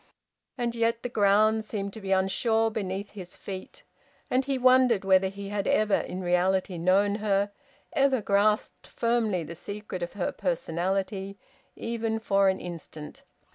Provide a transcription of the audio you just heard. And yet the ground seemed to be unsure beneath his feet, and he wondered whether he had ever in reality known her, ever grasped firmly the secret of her personality, even for an instant.